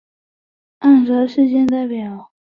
暗杀事件列表